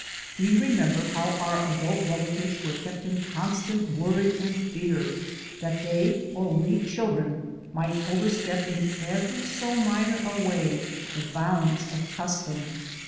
Do you remember how our adult relatives were kept in constant worry and fear that they or we children might overstep, in ever so minor a way, the bounds of custom?